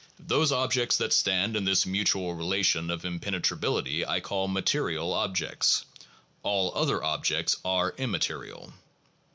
Those objects that stand in this mutual relation of impenetrability I call 'material' objects; all other objects are 'immaterial.'